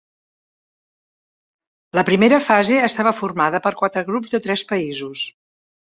La primera fase estava formada per quatre grups de tres països.